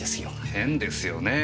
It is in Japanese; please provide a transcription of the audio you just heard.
変ですよねぇ。